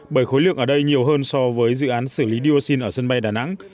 bởi khối lượng ở đây nhiều hơn so với dự án xử lý dioxin ở sân bay đà nẵng